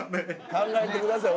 考えてください。